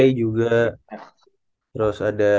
dhanire juga terus ada